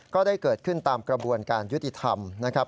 ก็ได้เกิดขึ้นตามกระบวนการยุติธรรมนะครับ